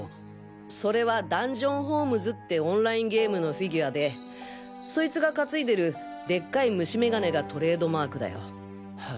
それは『ダンジョン・ホームズ』ってオンラインゲームのフィギュアでそいつが担いでるデッカイ虫眼鏡がトレードマークだよ。へ。